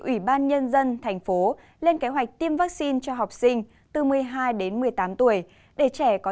ủy ban nhân dân thành phố lên kế hoạch tiêm vaccine cho học sinh từ một mươi hai đến một mươi tám tuổi để trẻ có